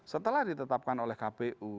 setelah ditetapkan oleh kpu